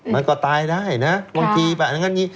มันก็ตายได้นะบางทีแบบนั้นกัน